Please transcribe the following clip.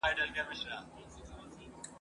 ښځو تر ډېره وخته په روغتونونو کي کار کاوه.